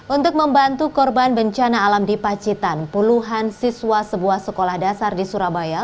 untuk membantu korban bencana alam di pacitan puluhan siswa sebuah sekolah dasar di surabaya